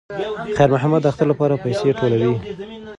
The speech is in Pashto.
خیر محمد د اختر لپاره پیسې ټولولې.